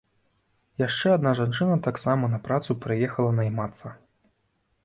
Яшчэ адна жанчына таксама на працу прыехала наймацца.